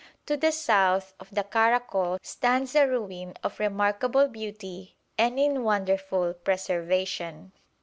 ] To the south of the Caracol stands a ruin of remarkable beauty and in wonderful preservation.